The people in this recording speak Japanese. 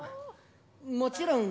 もちろん。